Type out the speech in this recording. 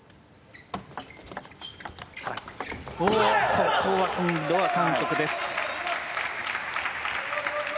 ここは今度は韓国です。